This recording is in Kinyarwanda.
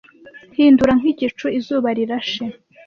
hindura nk'igicu izuba rirashe